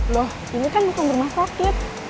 loh ini kan bukan rumah sakit